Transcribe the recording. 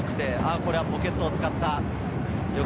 これはポケットを使った。